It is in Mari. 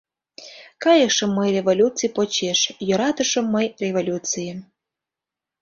Кайышым мый Революций почеш, йӧратышым мый Революцийым...